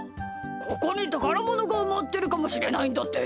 ここにたからものがうまってるかもしれないんだって。